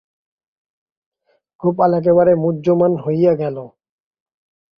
গোপাল একেবারে মুহ্যমান হইয়া গেল।